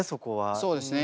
そうですね